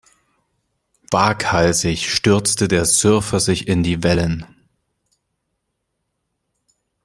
Waghalsig stürzte der Surfer sich in die Wellen.